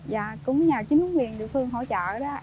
và cũng nhờ chính quyền địa phương hỗ trợ đó